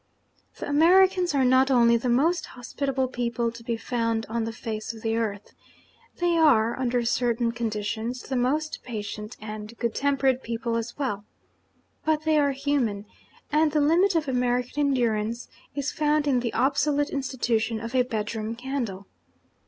The Americans are not only the most hospitable people to be found on the face of the earth they are (under certain conditions) the most patient and good tempered people as well. But they are human; and the limit of American endurance is found in the obsolete institution of a bedroom candle.